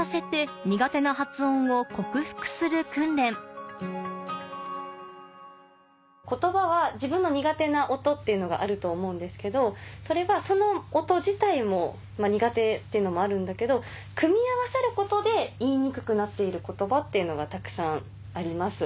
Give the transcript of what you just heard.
最初は言葉は自分の苦手な音っていうのがあると思うんですけどそれがその音自体も苦手っていうのもあるんだけど組み合わさることで言いにくくなっている言葉っていうのがたくさんあります。